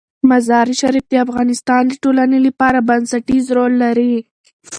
مزارشریف د افغانستان د ټولنې لپاره بنسټيز رول لري.